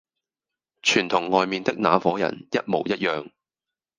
全同外面的那夥人一模一樣。